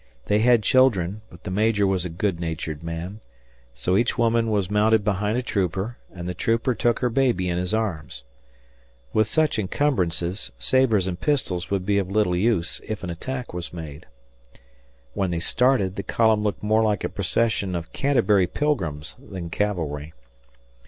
They had children, but the major was a good natured man. So each woman was mounted behind a trooper and the trooper took her baby in his arms. With such encumbrances, sabres and pistols would be of little use, if an attack was made. When they started, the column looked more like a procession of Canterbury Pilgrims than cavalry.